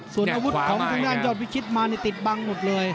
ส่วนอาวุธของทางด้านยอดวิชิตมานี่ติดบังหมดเลย